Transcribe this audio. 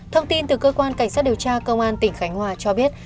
thông tin từ cơ quan cảnh sát điều tra công an tỉnh khánh hòa cho biết